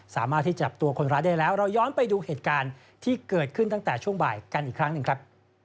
สามารถที่จับตัวคนร้ายได้แล้วเราย้อนไปดูเหตุการณ์ที่เกิดขึ้นตั้งแต่ช่วงบ่ายกันอีกครั้งหนึ่งครับ